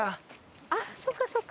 あっそっかそっか。